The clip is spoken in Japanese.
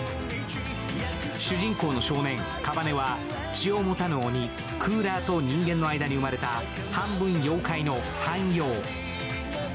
主人公の少年夏羽は血を持たぬ鬼、屍鬼と人間の間に生まれた半分妖怪の半妖。